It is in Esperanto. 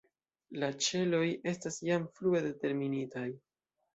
La ĉeloj estas jam frue determinitaj.